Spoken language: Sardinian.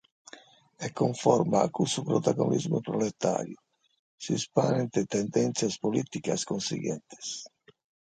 E cunforma a cussu protagonismu “proletàriu” si ispaineint tendèntzias polìticas cunsighentes.